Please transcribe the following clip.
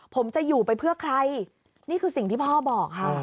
ผมจะอยู่ไปเพื่อใครนี่คือสิ่งที่พ่อบอกค่ะ